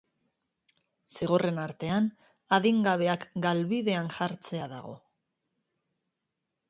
Zigorren artean, adin-gabeak galbidean jartzea dago.